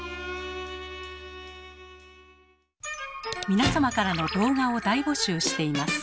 皆様からの動画を大募集しています。